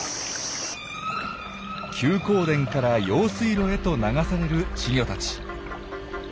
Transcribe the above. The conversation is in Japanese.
休耕田から用水路へと流される稚魚たち。